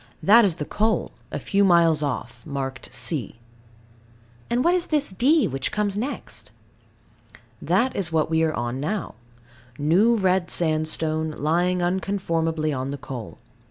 That is the coal, a few miles off, marked C. And what is this D, which comes next? That is what we are on now. New red sandstone, lying unconformably on the coal.